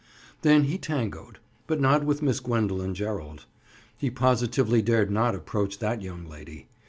Then he tangoed, but not with Miss Gwendoline Gerald. He positively dared not approach that young lady.